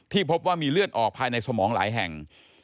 พบว่ามีเลือดออกภายในสมองหลายแห่ง